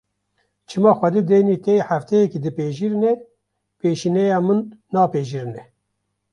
Çima Xwedê deynê te yê hefteyekê dipejirîne, pêşîneya min napejirîne!